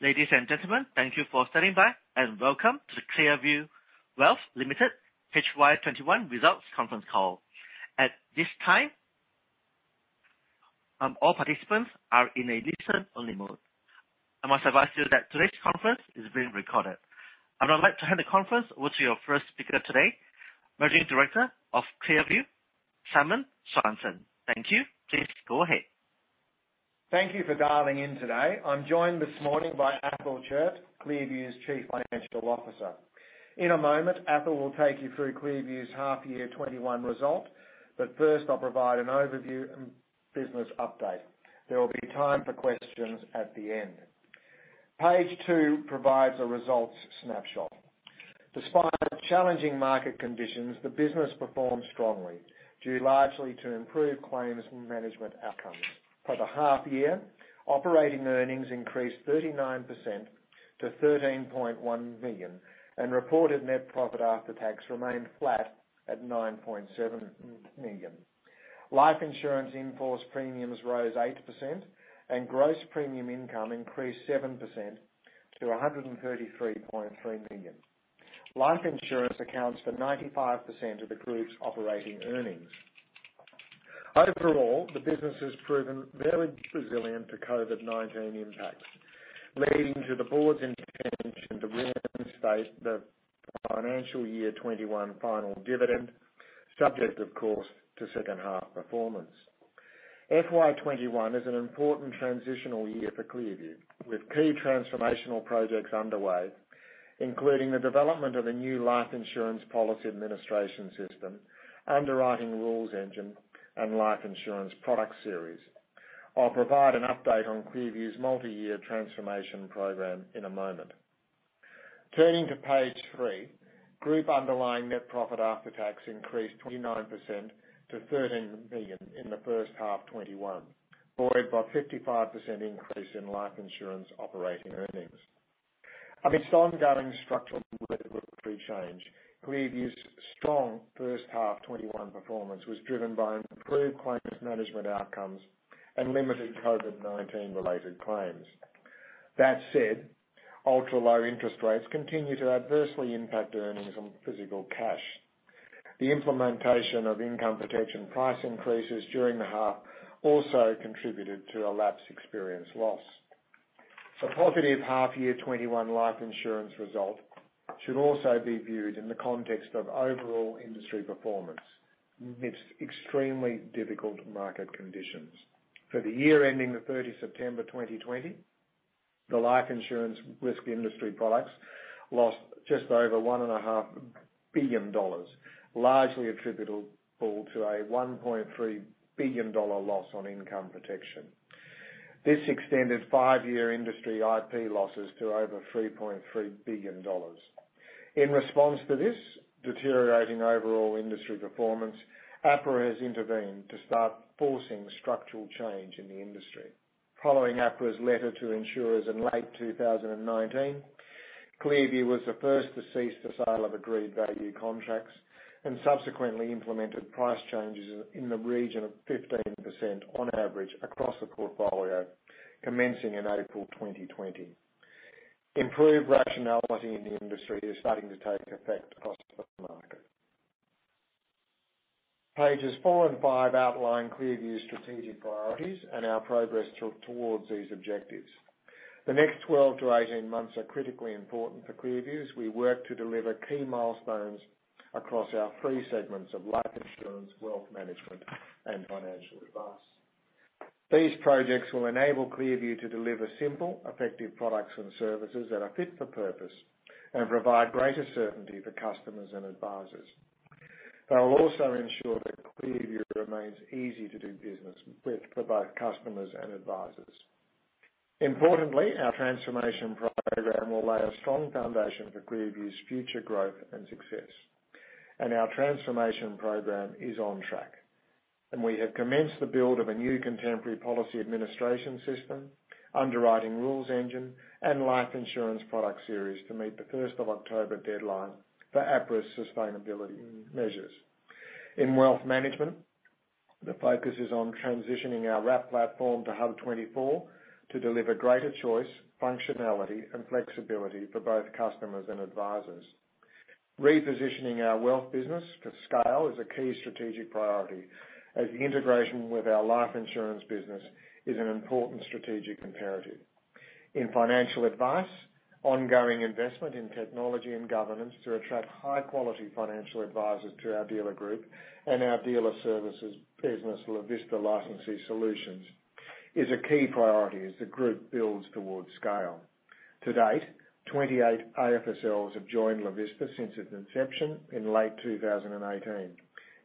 Ladies and gentlemen, thank you for standing by, and welcome to the Clearview Wealth Limited FY 2021 results conference call. At this time, all participants are in a listen-only mode. I must advise you that today's conference is being recorded. I would like to hand the conference over to your first speaker today, Managing Director of Clearview, Simon Swanson. Thank you. Please go ahead. Thank you for dialing in today. I'm joined this morning by Athol Chiert, Clearview's Chief Financial Officer. In a moment, Athol will take you through Clearview's half year 2021 result. First, I'll provide an overview and business update. There will be time for questions at the end. Page two provides a results snapshot. Despite challenging market conditions, the business performed strongly, due largely to improved claims management outcomes. For the half year, operating earnings increased 39% to 13.1 million, and reported net profit after tax remained flat at 9.7 million. Life insurance in-force premiums rose 8%, and gross premium income increased 7% to 133.3 million. Life insurance accounts for 95% of the group's operating earnings. Overall, the business has proven very resilient to COVID-19 impacts, leading to the board's intention to reinstate the financial year 2021 final dividend, subject, of course, to second-half performance. FY 2021 is an important transitional year for Clearview, with key transformational projects underway, including the development of a new life insurance policy administration system, underwriting rules engine, and life insurance product series. I'll provide an update on Clearview's multi-year transformation program in a moment. Turning to page three, group underlying net profit after tax increased 29% to 13 million in the first half 2021, buoyed by a 55% increase in life insurance operating earnings. Amidst ongoing structural regulatory change, Clearview's strong first half 2021 performance was driven by improved claims management outcomes and limited COVID-19 related claims. That said, ultra-low interest rates continue to adversely impact earnings on physical cash. The implementation of income protection price increases during the half also contributed to a lapse experience loss. A positive half year 2021 life insurance result should also be viewed in the context of overall industry performance amidst extremely difficult market conditions. For the year ending the 30th September 2020, the life insurance risk industry products lost just over 1.5 billion dollars, largely attributable to an 1.3 billion dollar loss on income protection. This extended five-year industry IP losses to over 3.3 billion dollars. In response to this deteriorating overall industry performance, APRA has intervened to start forcing structural change in the industry. Following APRA's letter to insurers in late 2019, Clearview was the first to cease the sale of Agreed Value contracts and subsequently implemented price changes in the region of 15% on average across the portfolio, commencing in April 2020. Improved rationality in the industry is starting to take effect across the market. Pages four and five outline Clearview's strategic priorities and our progress towards these objectives. The next 12-18 months are critically important for Clearview as we work to deliver key milestones across our three segments of life insurance, wealth management, and financial advice. These projects will enable Clearview to deliver simple, effective products and services that are fit for purpose and provide greater certainty for customers and advisors. They will also ensure that Clearview remains easy to do business with for both customers and advisors. Importantly, our transformation program will lay a strong foundation for Clearview's future growth and success, and our transformation program is on track. We have commenced the build of a new contemporary policy administration system, underwriting rules engine, and life insurance product series to meet the 1st of October deadline for APRA's sustainability measures. In wealth management, the focus is on transitioning our wrap platform to HUB24 to deliver greater choice, functionality, and flexibility for both customers and advisors. Repositioning our wealth business to scale is a key strategic priority, as the integration with our life insurance business is an important strategic imperative. In financial advice, ongoing investment in technology and governance to attract high-quality financial advisors to our dealer group and our dealer services business, LaVista Licensee Solutions, is a key priority as the group builds towards scale. To date, 28 AFSLs have joined LaVista since its inception in late 2018,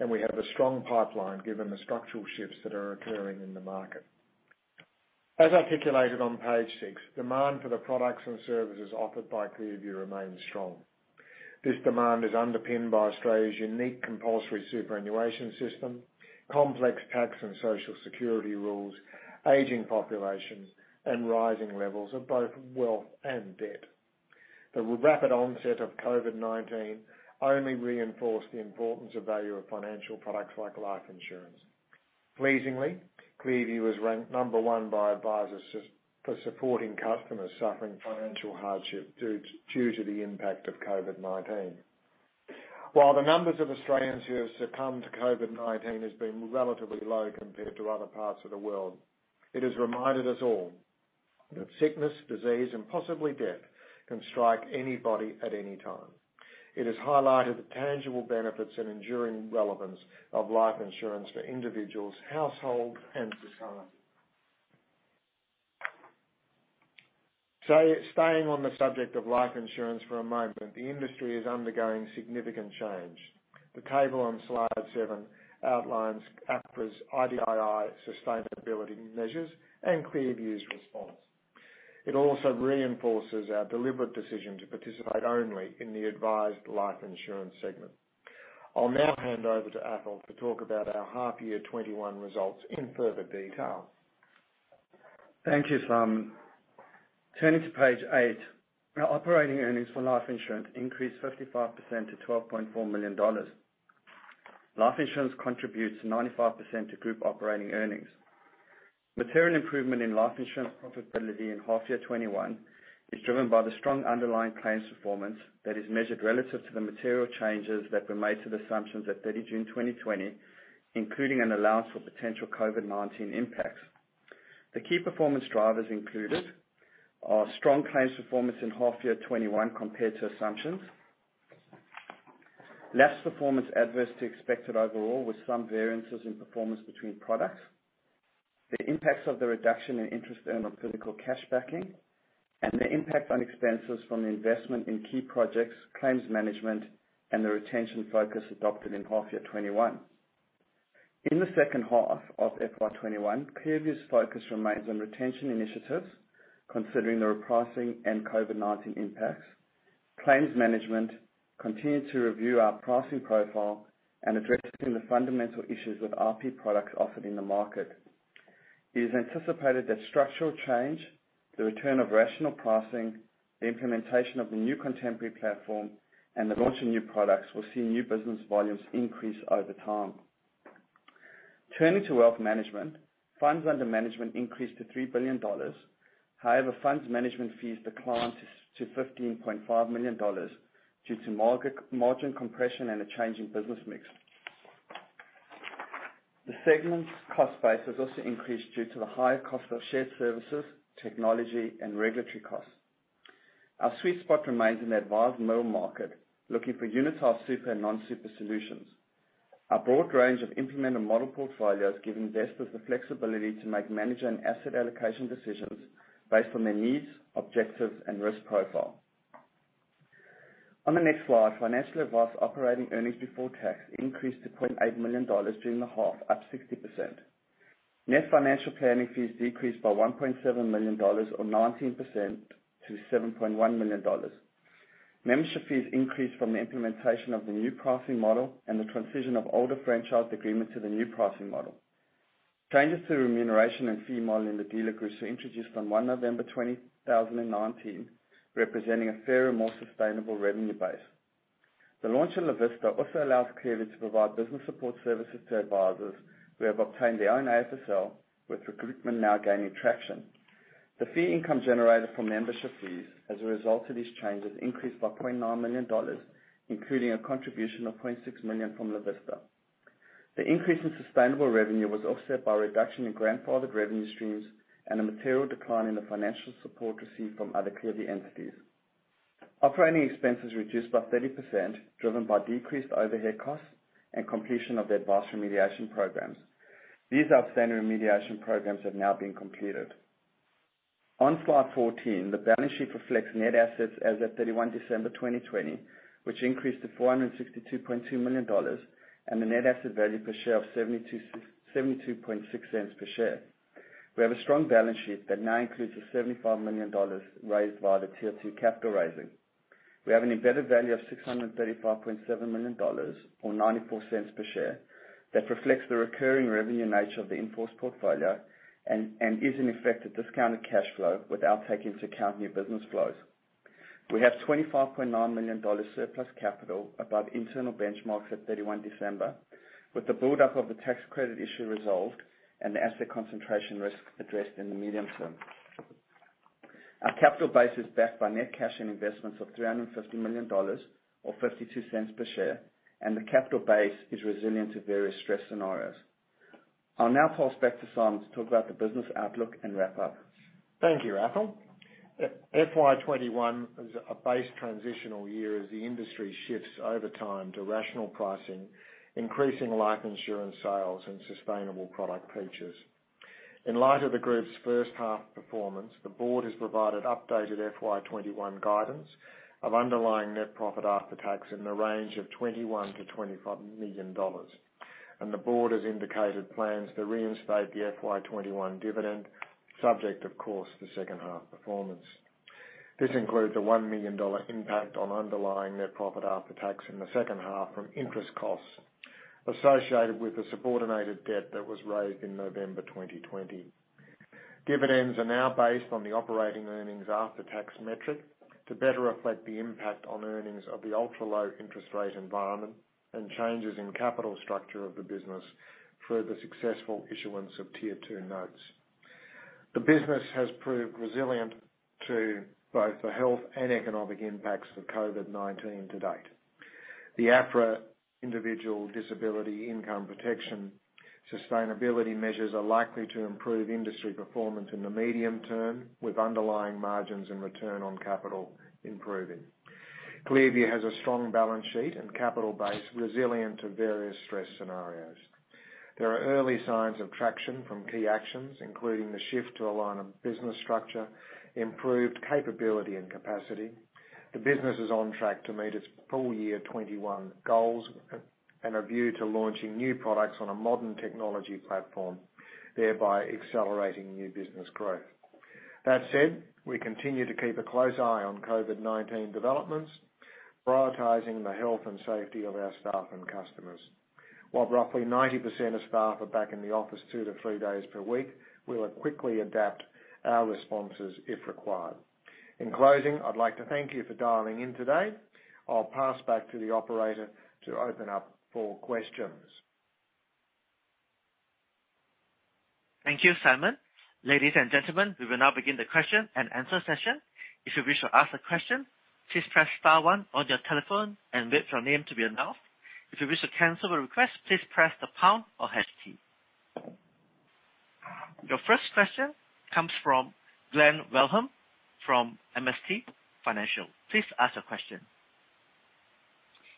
and we have a strong pipeline given the structural shifts that are occurring in the market. As articulated on page six, demand for the products and services offered by Clearview remains strong. This demand is underpinned by Australia's unique compulsory superannuation system, complex tax and social security rules, aging population, and rising levels of both wealth and debt. The rapid onset of COVID-19 only reinforced the importance of value of financial products like life insurance. Pleasingly, Clearview was ranked number one by advisors for supporting customers suffering financial hardship due to the impact of COVID-19. While the numbers of Australians who have succumbed to COVID-19 has been relatively low compared to other parts of the world, it has reminded us all that sickness, disease, and possibly death can strike anybody at any time. It has highlighted the tangible benefits and enduring relevance of life insurance for individuals, households, and society. Staying on the subject of life insurance for a moment, the industry is undergoing significant change. The table on slide seven outlines APRA's IDII sustainability measures and Clearview's response. It also reinforces our deliberate decision to participate only in the advised life insurance segment. I'll now hand over to Athol to talk about our half year 2021 results in further detail. Thank you, Simon. Turning to page eight, our operating earnings for Life insurance increased 55% to 12.4 million dollars. Life insurance contributes 95% to group operating earnings. Material improvement in Life insurance profitability in half year 2021 is driven by the strong underlying claims performance that is measured relative to the material changes that were made to the assumptions at 30 June 2020, including an allowance for potential COVID-19 impacts. The key performance drivers included are strong claims performance in half year 2021 compared to assumptions, lapse performance adverse to expected overall with some variances in performance between products, the impacts of the reduction in interest earn on physical cash backing, and the impact on expenses from the investment in key projects, claims management, and the retention focus adopted in half year 2021. In the second half of FY 2021, Clearview's focus remains on retention initiatives, considering the repricing and COVID-19 impacts. Claims management continued to review our pricing profile and addressing the fundamental issues with IP products offered in the market. It is anticipated that structural change, the return of rational pricing, the implementation of the new contemporary platform, and the launch of new products will see new business volumes increase over time. Turning to wealth management, funds under management increased to 3 billion dollars. Funds management fees declined to 15.5 million dollars due to margin compression and a change in business mix. The segment's cost base has also increased due to the higher cost of shared services, technology, and regulatory costs. Our sweet spot remains in the advised middle market, looking for unitized super and non-super solutions. Our broad range of implemented model portfolios give investors the flexibility to make manager and asset allocation decisions based on their needs, objectives, and risk profile. On the next slide, Financial Advice operating earnings before tax increased to 0.8 million dollars during the half, up 60%. Net financial planning fees decreased by 1.7 million dollars or 19% to 7.1 million dollars. Membership fees increased from the implementation of the new pricing model and the transition of older franchise agreements to the new pricing model. Changes to remuneration and fee model in the dealer groups were introduced on 1 November 2019, representing a fairer, more sustainable revenue base. The launch of LaVista also allows Clearview to provide business support services to advisors who have obtained their own AFSL, with recruitment now gaining traction. The fee income generated from membership fees as a result of these changes increased by 0.9 million dollars, including a contribution of 0.6 million from LaVista. The increase in sustainable revenue was offset by a reduction in grandfathered revenue streams and a material decline in the financial support received from other Clearview entities. Operating expenses reduced by 30%, driven by decreased overhead costs and completion of the advice remediation programs. These outstanding remediation programs have now been completed. On slide 14, the balance sheet reflects net assets as at 31 December 2020, which increased to 462.2 million dollars, and the net asset value per share of 0.726 per share. We have a strong balance sheet that now includes the 75 million dollars raised via the Tier 2 capital raising. We have an embedded value of 635.7 million dollars or 0.94 per share. That reflects the recurring revenue nature of the in-force portfolio and is in effect a discounted cash flow without taking into account new business flows. We have 25.9 million dollars surplus capital above internal benchmarks at 31 December. With the buildup of the tax credit issue resolved and the asset concentration risk addressed in the medium term. Our capital base is backed by net cash and investments of 350 million dollars or 0.52 per share, and the capital base is resilient to various stress scenarios. I'll now toss back to Simon to talk about the business outlook and wrap-up. Thank you, Athol. FY 2021 is a base transitional year as the industry shifts over time to rational pricing, increasing life insurance sales, and sustainable product features. In light of the group's first half performance, the board has provided updated FY 2021 guidance of underlying net profit after tax in the range of 21 million-25 million dollars. The board has indicated plans to reinstate the FY 2021 dividend, subject, of course, to second half performance. This includes a 1 million dollar impact on underlying net profit after tax in the second half from interest costs associated with the subordinated debt that was raised in November 2020. Dividends are now based on the operating earnings after-tax metric to better reflect the impact on earnings of the ultra-low interest rate environment and changes in capital structure of the business for the successful issuance of Tier 2 notes. The business has proved resilient to both the health and economic impacts of COVID-19 to date. The APRA individual disability income protection sustainability measures are likely to improve industry performance in the medium term, with underlying margins and return on capital improving. Clearview has a strong balance sheet and capital base resilient to various stress scenarios. There are early signs of traction from key actions, including the shift to a line of business structure, improved capability, and capacity. The business is on track to meet its full year 2021 goals and a view to launching new products on a modern technology platform, thereby accelerating new business growth. That said, we continue to keep a close eye on COVID-19 developments, prioritizing the health and safety of our staff and customers. While roughly 90% of staff are back in the office two to three days per week, we'll quickly adapt our responses if required. In closing, I'd like to thank you for dialing in today. I'll pass back to the operator to open up for questions. Thank you, Simon. Ladies and gentlemen, we will now begin the Q&A session. If you wish to ask a question, please press star one on your telephone and wait for your name to be announced. If you wish to cancel your request, please press the pound or hash key. Your first question comes from Glen Wellham from MST Financial. Please ask your question.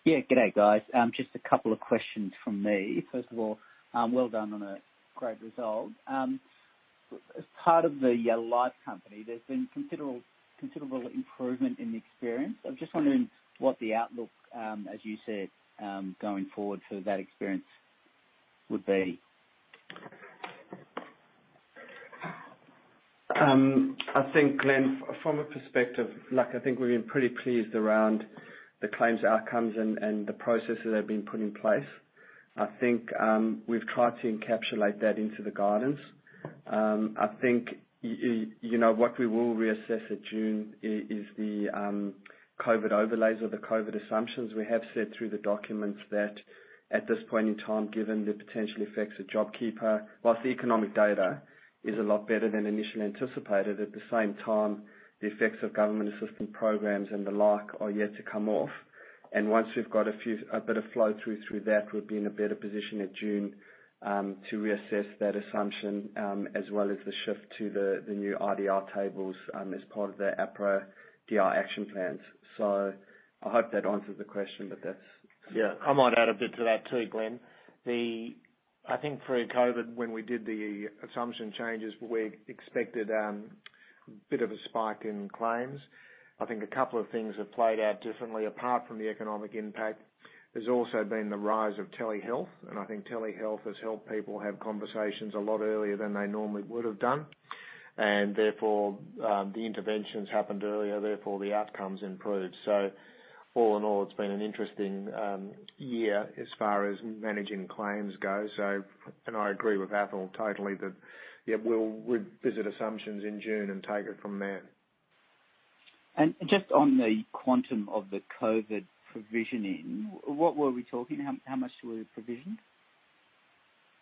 Yeah. Good day, guys. Just a couple of questions from me. First of all, well done on a great result. As part of the Life Company, there's been considerable improvement in the experience. I'm just wondering what the outlook, as you said, going forward for that experience would be. I think, Glen, from a perspective, I think we've been pretty pleased around the claims outcomes and the processes that have been put in place. I think we've tried to encapsulate that into the guidance. I think what we will reassess at June is the COVID overlays or the COVID assumptions. We have said through the documents that at this point in time, given the potential effects of JobKeeper, whilst the economic data is a lot better than initially anticipated, at the same time, the effects of government assistance programs and the like are yet to come off. Once we've got a bit of flow through that, we'll be in a better position at June to reassess that assumption, as well as the shift to the new IDII tables as part of the APRA DI action plans. I hope that answers the question, but that's. Yeah. I might add a bit to that too, Glen. I think pre-COVID, when we did the assumption changes, we expected a bit of a spike in claims. A couple of things have played out differently. Apart from the economic impact, there's also been the rise of telehealth, and I think telehealth has helped people have conversations a lot earlier than they normally would have done, and therefore, the interventions happened earlier, therefore, the outcomes improved. All in all, it's been an interesting year as far as managing claims go. I agree with Athol totally that, yeah, we'll visit assumptions in June and take it from there. Just on the quantum of the COVID provisioning, what were we talking, how much were we provisioned?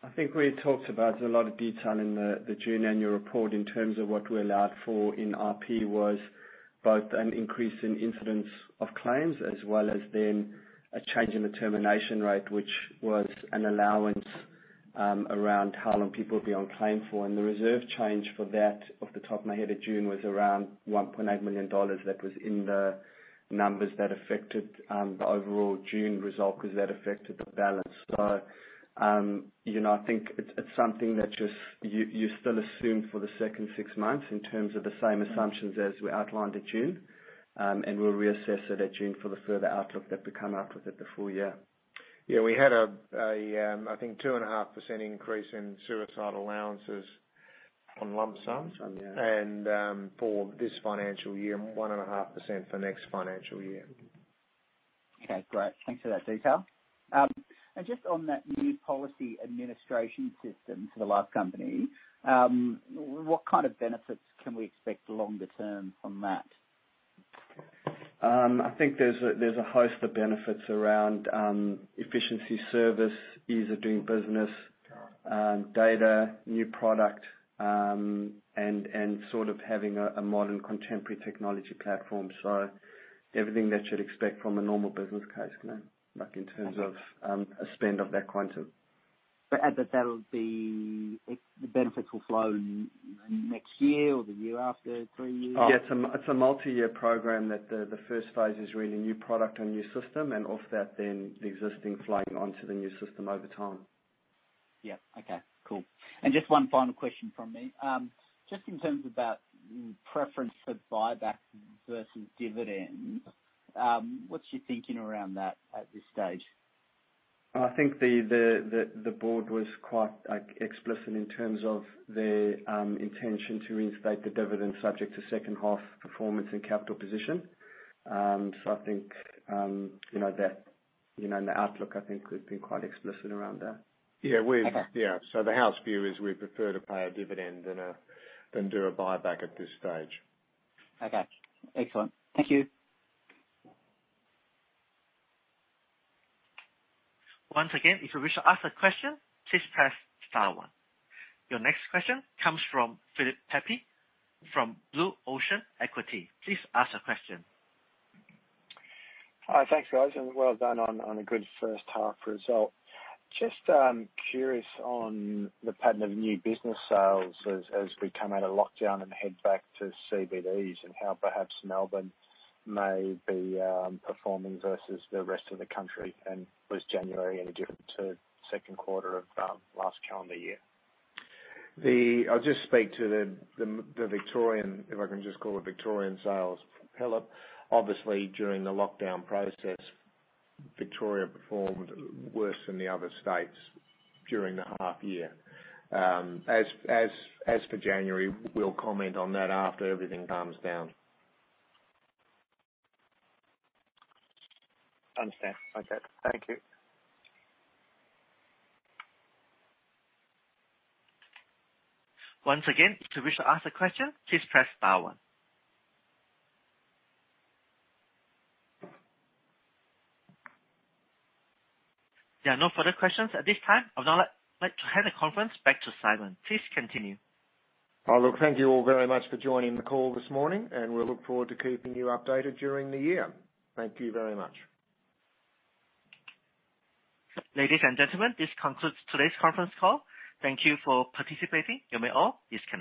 I think we talked about a lot of detail in the June annual report in terms of what we allowed for in IP, was both an increase in incidence of claims as well as then a change in the termination rate, which was an allowance around how long people would be on claim for. The reserve change for that, off the top of my head at June, was around 1.8 million dollars. That was in the numbers that affected the overall June result because that affected the balance. I think it's something that you still assume for the second six months in terms of the same assumptions as we outlined at June, and we'll reassess it at June for the further outlook that we come up with at the full year. Yeah. We had, I think, a two-and-a-half% increase in suicide allowances on lump sums. Yeah. For this financial year, one-and-a-half % for next financial year. Okay, great. Thanks for that detail. Just on that new policy administration system for the Life company, what kind of benefits can we expect longer term from that? I think there's a host of benefits around efficiency service, ease of doing business, data, new product, and having a modern contemporary technology platform. Everything that you'd expect from a normal business case, Glen, in terms of a spend of that quantum. The benefits will flow next year or the year after, three years? Yeah. It's a multi-year program that the first phase is really new product and new system and off that then the existing flowing onto the new system over time. Yeah. Okay. Cool. Just one final question from me. Just in terms of that preference for buybacks versus dividends, what's your thinking around that at this stage? I think the board was quite explicit in terms of their intention to reinstate the dividend subject to second half performance and capital position. I think in the outlook, I think we've been quite explicit around that. Yeah. The house view is we'd prefer to pay a dividend than do a buyback at this stage. Okay. Excellent. Thank you. Once again, if you wish to ask a question, please press star one. Your next question comes from Philip Pepe from Blue Ocean Equities. Hi. Thanks, guys, and well done on a good first half result. Just curious on the pattern of new business sales as we come out of lockdown and head back to CBDs and how perhaps Melbourne may be performing versus the rest of the country, and was January any different to the second quarter of last calendar year? I'll just speak to the Victorian, if I can just call it Victorian sales, Philip. Obviously, during the lockdown process, Victoria performed worse than the other states during the half year. For January, we'll comment on that after everything calms down. Understand. Okay. Thank you. Once again, to wish to ask a question, please press star one. There are no further questions at this time. I would now like to hand the conference back to Simon. Please continue. Look, thank you all very much for joining the call this morning, and we look forward to keeping you updated during the year. Thank you very much. Ladies and gentlemen, this concludes today's conference call. Thank you for participating. You may all disconnect.